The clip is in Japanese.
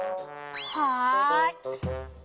はい。